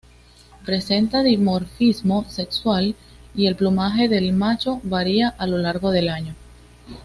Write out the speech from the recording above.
Presenta dimorfismo sexual y el plumaje del macho varía a lo largo del año.